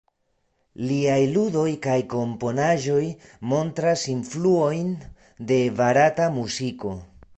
Liaj ludo kaj komponaĵoj montras influojn de barata muziko.